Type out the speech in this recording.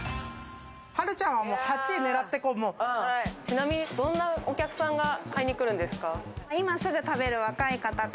はるちゃんはどんなお客さんが買いに来るんですか？